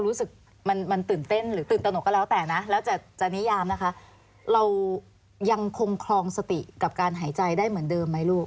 เรายังคงคลองสติกับการหายใจได้เหมือนเดิมไหมลูก